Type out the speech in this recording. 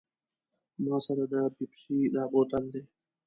ما سره د پیپسي دا بوتل دی.